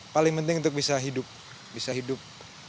paling penting untuk bisa hidup bisa hidup